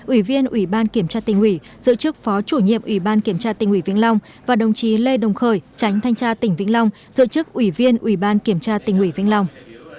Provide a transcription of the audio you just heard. ủy viên ủy ban kiểm tra tỉnh hủy dự trức phó chủ nhiệm ủy ban kiểm tra tỉnh hủy vĩnh long và đồng chí lê đồng khởi tránh thanh tra tỉnh vĩnh long dự trức ủy viên ủy ban kiểm tra tỉnh hủy vĩnh long